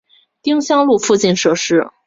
丁香路附近设施